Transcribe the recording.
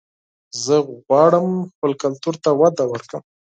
زه غواړم خپل کلتور ته وده ورکړم